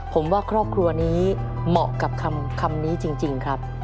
ผมว่าครอบครัวนี้เหมาะกับคำนี้จริงครับ